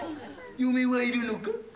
嫁はいるのか？